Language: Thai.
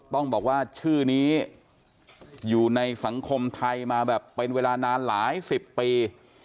ต้องบอกว่าชื่อนี้อยู่ในสังคมไทยมาแบบเป็นเวลานานหลายสิบปี